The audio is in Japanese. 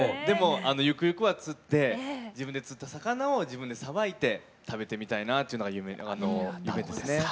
でもゆくゆくは釣って自分で釣った魚を自分でさばいて食べてみたいなっていうのが夢ですね。